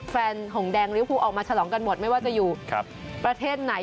หงแดงริวภูออกมาฉลองกันหมดไม่ว่าจะอยู่ประเทศไหน